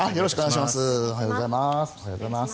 おはようございます。